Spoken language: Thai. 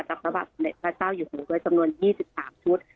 จากระบาดพระเจ้าอยู่ในโรงเรียนรวดสำนวน๒๓ชุด